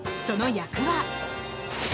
その役は。